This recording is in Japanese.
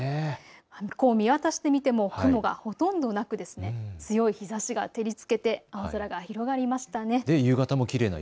見渡してみても雲がほとんどなく強い日ざしが照りつけて青空が広がりました。